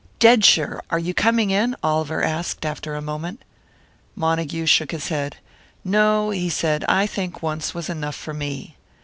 "Dead sure. Are you coming in?" Oliver asked, after a moment. Montague shook his head. "No," he said. "I think once was enough for me."